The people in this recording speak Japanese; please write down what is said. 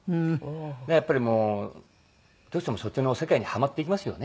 やっぱりもうどうしてもそっちの世界にハマっていきますよね。